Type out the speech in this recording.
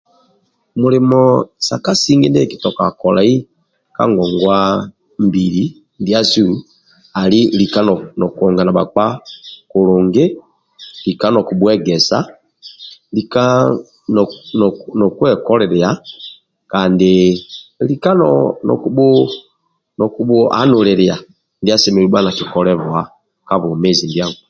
Mulimo sa kasinge ndie kikitoka kolai ka ngongwa mbili ndiasu ali lika nob nokouanga na hakpaka kulungi lika nokubhueagesa lika nob nokwokolilia kandi lika no nokubhu nokubhu hanulilia ndia asemelelu bha na kikolevw ka bwomezi ndia nkap